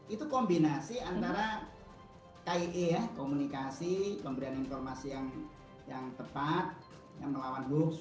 itu kombinasi antara kayak komunikasi pemberian informasi yang yang tepat yang melawan books